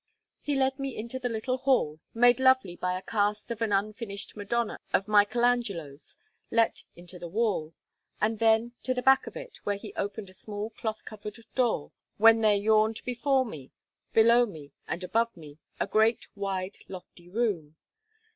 He led me into the little hall, made lovely by a cast of an unfinished Madonna of Michael Angelo's let into the wall, and then to the back of it, where he opened a small cloth covered door, when there yawned before me, below me, and above me, a great wide lofty room.